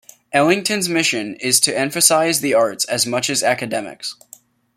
Ellington's mission is to emphasize the arts as much as academics.